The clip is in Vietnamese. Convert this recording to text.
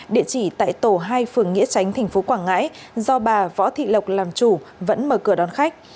địa chỉ tại tổ hai phường nghĩa chánh tp quảng ngãi do bà võ thị lộc làm chủ vẫn mở cửa đón khách